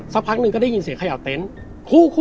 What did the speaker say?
สักพักหนึ่งก็ได้ยินเสียงเขย่าเต็นต์